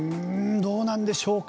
どうなんでしょうか。